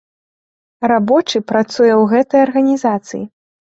Рабочы працуе ў гэтай арганізацыі.